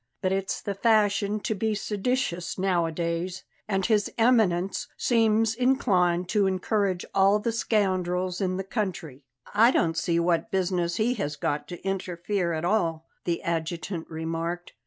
But it's the fashion to be seditious nowadays; and His Eminence seems inclined to encourage all the scoundrels in the country." "I don't see what business he has got to interfere at all," the adjutant remarked.